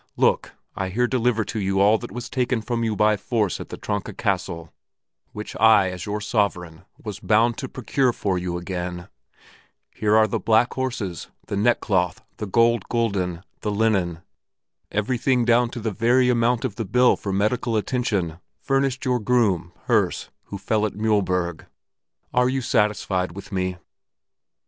Look, I here deliver to you all that was taken from you by force at the Tronka Castle which I, as your sovereign, was bound to procure for you again; here are the black horses, the neck cloth, the gold gulden, the linen everything down to the very amount of the bill for medical attention furnished your groom, Herse, who fell at Mühlberg. Are you satisfied with me?"